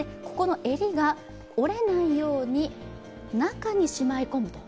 襟が折れないように、中にしまい込む。